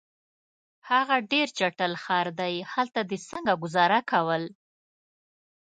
هغه ډېر چټل ښار دی، هلته دي څنګه ګذاره کول؟